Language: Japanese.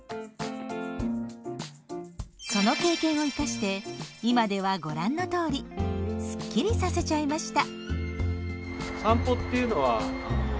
その経験を生かして今ではご覧のとおりすっきりさせちゃいました。